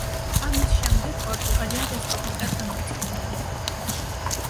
ამის შემდეგ პორტუგალია რესპუბლიკად გამოცხადდა.